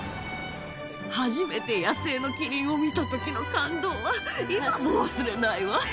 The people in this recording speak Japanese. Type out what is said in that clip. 初めて野生のキリンを見たときの感動は、今も忘れないわ。